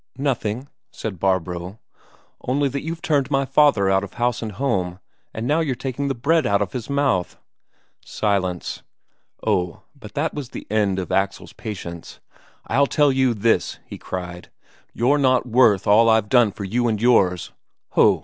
"Nothing," said Barbro; "only that you've turned my father out of house and home, and now you're taking the bread out of his mouth." Silence. Oh, but that was the end of Axel's patience. "I'll tell you this," he cried, "you're not worth all I've done for you and yours!" "Ho!"